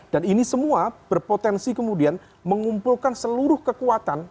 dan ini semua berpotensi kemudian mengumpulkan seluruh kekuatan